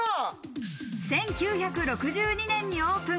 １９６２年にオープン。